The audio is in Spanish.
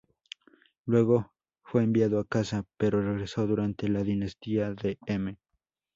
Luego fue enviado a casa, pero regresó durante la "Dinastía de M".